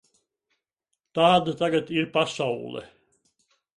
Tāda tagad ir pasaule.